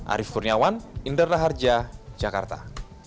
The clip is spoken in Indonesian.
arief kurniawan indra raharja jakarta